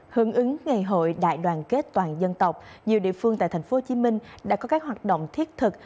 hướng ứng ngày hội đại đoàn kết toàn dân tộc nhiều địa phương tại tp hcm đã có các hoạt động thiết thực